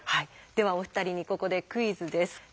ではお二人にここでクイズです。